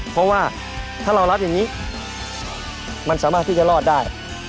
เพราะว่าถ้าเรารับอย่างนี้มันสามารถที่จะรอดได้